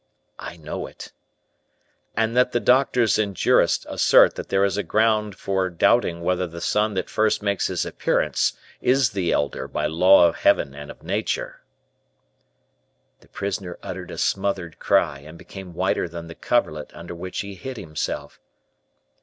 "I know it." "And that the doctors and jurists assert that there is ground for doubting whether the son that first makes his appearance is the elder by the law of heaven and of nature." The prisoner uttered a smothered cry, and became whiter than the coverlet under which he hid himself.